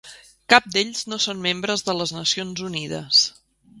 Cap d'ells no són membres de les Nacions Unides.